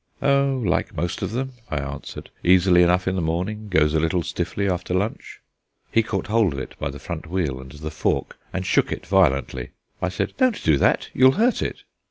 "Oh, like most of them!" I answered; "easily enough in the morning; goes a little stiffly after lunch." He caught hold of it by the front wheel and the fork and shook it violently. I said: "Don't do that; you'll hurt it."